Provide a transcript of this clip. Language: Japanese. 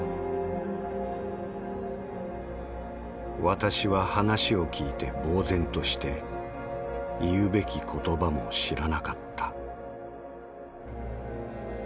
「私は話を聞いて呆然として言うべき言葉も知らなかった」。